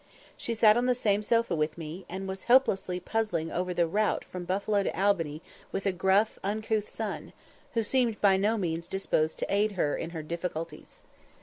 She sat on the same sofa with me, and was helplessly puzzling over the route from Buffalo to Albany with a gruff, uncouth son, who seemed by no means disposed to aid her in her difficulties.